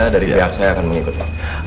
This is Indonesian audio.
dari pihak saya akan mengikuti